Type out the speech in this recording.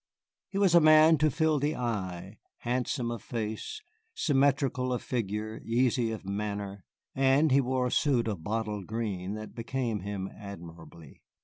He was a man to fill the eye, handsome of face, symmetrical of figure, easy of manner, and he wore a suit of bottle green that became him admirably.